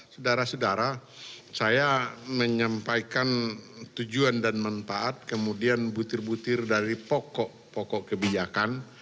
saudara saudara saya menyampaikan tujuan dan manfaat kemudian butir butir dari pokok pokok kebijakan